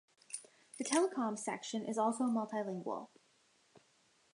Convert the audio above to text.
The telecomms section is also multilingual.